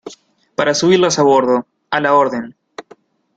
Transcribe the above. para subirlas a bordo. a la orden .